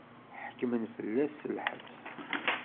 Ḥekmen fell-as s lḥebs.